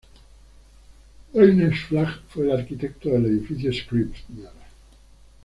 Ernest Flagg fue el arquitecto del Edificio Scribner.